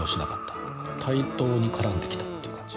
対等に絡んできたっていう感じ。